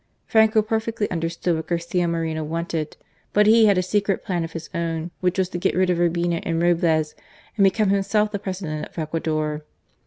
Franco perfectly understood what Garcia Moreno wanted, but he had a secret plan of his own, which was to get rid of Urbina and Roblez and become himself the President of Ecuador.